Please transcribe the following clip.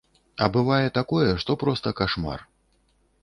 А бывае такое, што проста кашмар.